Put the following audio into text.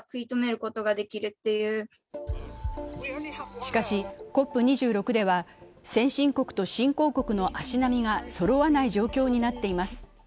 しかしＣＯＰ２６では先進国と新興国の足並みがそろわない状況になっています。